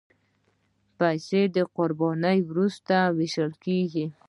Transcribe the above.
پسه د قربانۍ وروسته وېشل کېږي.